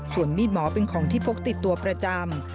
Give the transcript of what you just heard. ส่วนมีดหมอเป็นของที่พกติดตัวประจำ